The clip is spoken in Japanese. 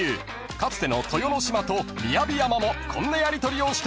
［かつての豊ノ島と雅山もこんなやりとりをしていました］